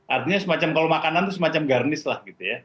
artinya semacam kalau makanan itu semacam garnis lah gitu ya